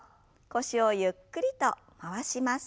腰をゆっくりと回します。